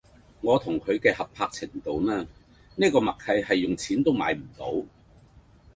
我同佢嘅合拍程度呢呢個默契係用錢都買唔到